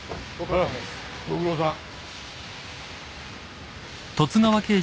ああご苦労さん。